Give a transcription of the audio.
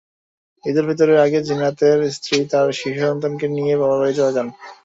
ঈদুল ফিতরের আগে জিন্নাতের স্ত্রী তাঁর শিশুসন্তানকে নিয়ে বাবার বাড়ি চলে যান।